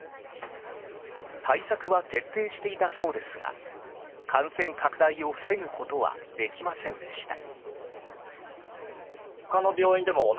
対策は徹底していたそうですが感染拡大を防ぐことはできませんでした。